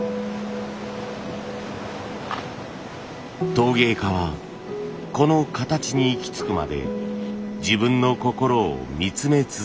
陶芸家はこの形に行き着くまで自分の心を見つめ続けました。